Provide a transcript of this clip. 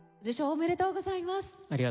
ありがとうございます。